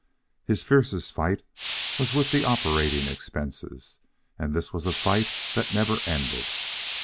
His fiercest fight was with the operating expenses, and this was a fight that never ended.